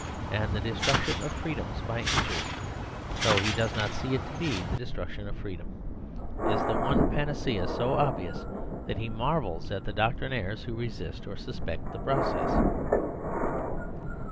And the destruction of free dom by inches (though he does not see it to be the destruction of freedom) is the one panacea so obvious that he marvels at the doctrinaires who resist or sus pect the process.